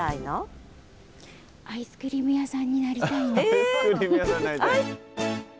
アイスクリーム屋さんになりたい。